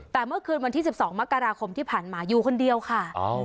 แต่เมื่อคืนวันที่๑๒มกราคมที่ผ่านมาอยู่คนเดียวค่ะ